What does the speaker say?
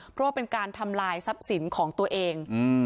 เพราะว่าเป็นการทำลายทรัพย์สินของตัวเอง